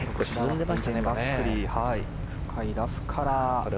深いラフから。